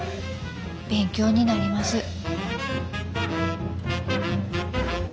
勉強になります。